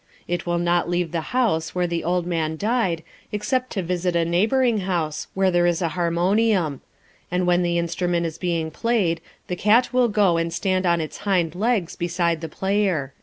It will not leave the house where the old man died, except to visit a neighbouring house, where there is a harmonium; and when the instrument is being played, the cat will go and stand on its hind legs beside the player."